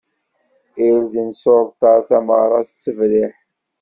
Irden s uṛeṭṭal, tameɣṛa s ttebriḥ.